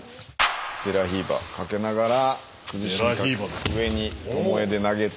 デラヒーバかけながら崩しに上に巴で投げて。